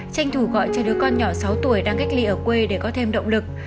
tranh thủ gọi cho đứa con nhỏ sáu tuổi đang cách ly ở quê để có thêm động lực